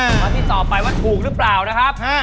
มาที่ต่อไปว่าถูกหรือเปล่านะครับ